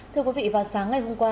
thưa quý vị vào sáng ngày hôm qua